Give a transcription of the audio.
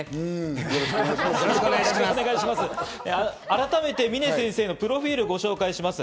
改めて峰先生のプロフィールをご紹介します。